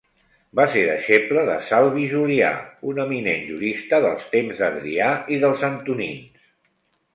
Va ser deixeble de Salvi Julià, un eminent jurista del temps d'Adrià i dels Antonins.